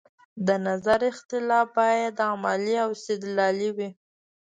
د نظر اختلاف باید علمي او استدلالي وي